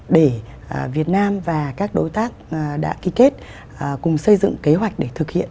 để việt nam và các đối tác đã ký kết cùng xây dựng kế hoạch để thực hiện